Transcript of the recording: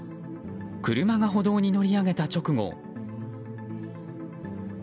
車が歩道に乗り上げた直後。